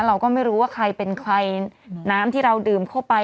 เราก็ไม่รู้ว่าใครเป็นใครน้ำที่เราดื่มเข้าไป